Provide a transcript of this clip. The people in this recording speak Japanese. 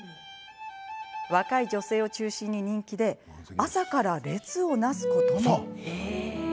若い女性を中心に人気で朝から列を成すことも。